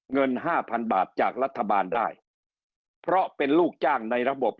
เงินห้าพันบาทจากรัฐบาลได้เพราะเป็นลูกจ้างในระบบ